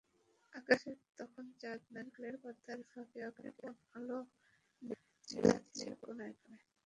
আকাশে তখন চাঁদ, নারকেলের পাতার ফাঁকে অকৃপণ আলো বিলাচ্ছে পৃথিবীর কোনায় কোনায়।